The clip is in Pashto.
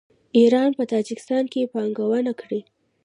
ایران په تاجکستان کې پانګونه کړې.